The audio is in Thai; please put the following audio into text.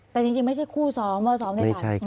แต่จริงไม่ใช่คู่ซ้อมว่าซ้อมด้วยกัน